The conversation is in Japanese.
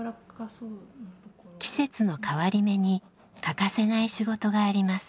季節の変わり目に欠かせない仕事があります。